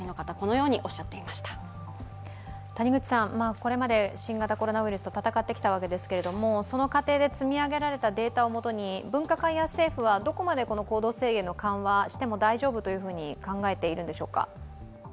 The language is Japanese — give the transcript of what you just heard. これまで新型コロナウイルスと闘ってきたわけですけれども、その過程で積み上げられたデータをもとに、分科会や政府は、どこまで行動制限を緩和しても大丈夫と考えているんでしょうか？